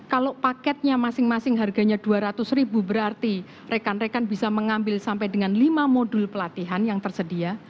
kalau paketnya masing masing harganya dua ratus ribu berarti rekan rekan bisa mengambil sampai dengan lima modul pelatihan yang tersedia